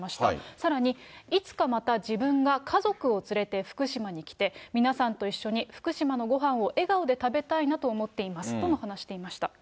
さらに、いつかまた自分が家族を連れて福島に来て、皆さんと一緒に福島のごはんを笑顔で食べたいなと思っていますとも話していました。